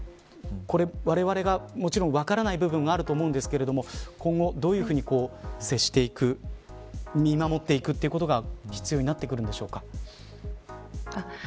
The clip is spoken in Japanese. われわれが、もちろん分からない部分もあると思うんですが今後どういうふうに接していく見守っていくということが必要になってくるんでしょうか。